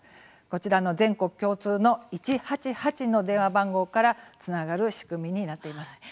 こちらの全国共通の１８８の電話番号からつながる仕組みになっています。